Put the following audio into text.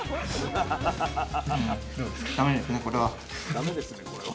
ダメですねこれは。